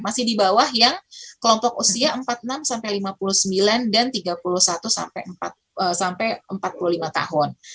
masih di bawah yang kelompok usia empat puluh enam sampai lima puluh sembilan dan tiga puluh satu sampai empat puluh lima tahun